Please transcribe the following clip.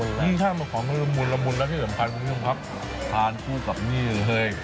อื้อใช่หอมและที่สำคัญคือทานผู้สำนี้เลยเฮ้ย